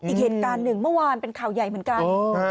อีกเหตุการณ์หนึ่งเมื่อวานเป็นข่าวใหญ่เหมือนกัน